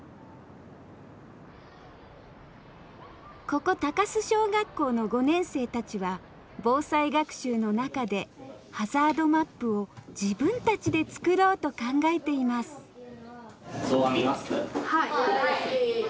ここ高須小学校の５年生たちは防災学習の中でハザードマップを自分たちで作ろうと考えていますはい！